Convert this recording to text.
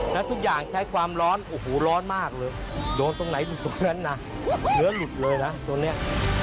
แล้วทุกอย่างใช้ความร้อนโอ้โหร้อนมากเลยโดนตรงไหนอยู่ตรงนั้นนะเนื้อหลุดเลยนะตรงเนี้ย